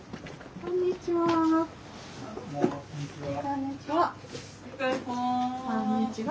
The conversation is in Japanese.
こんにちは。